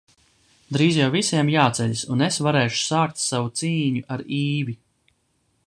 Drīz jau visiem jāceļas un es varēšu sākt savu cīņu ar Īvi.